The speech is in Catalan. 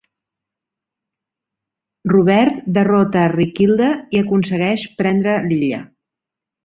Robert derrota a Riquilda, i aconsegueix prendre Lilla.